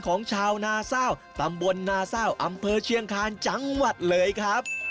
ของชาวนาซ่าวตำบลนาซ่าวอำเภอเชียงคานจังหวัดเลยครับ